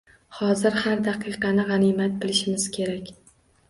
Hozir har daqiqani g‘animat bilishimiz kerak